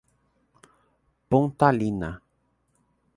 Pontalina